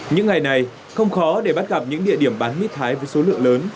những ngày này không khó để bắt gặp những địa điểm bán mít thái với số lượng lớn